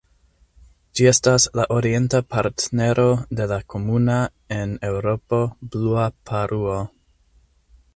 Ĝi estas la orienta partnero de la komuna en Eŭropo Blua paruo.